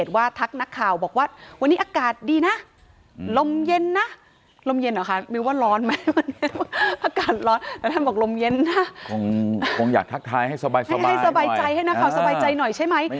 สบายใจให้นะคะสบายใจหน่อยใช่ไหม